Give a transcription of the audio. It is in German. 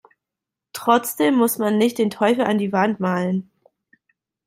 Trotzdem muss man nicht den Teufel an die Wand malen.